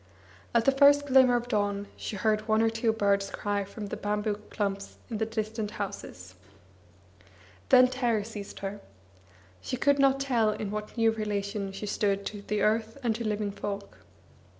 At the first glimmer of dawn she heard one or two birds cry from the bamboo clumps by the distant houses. Then terror seized her. She could not tell in what new relation she stood to the earth and to living folk.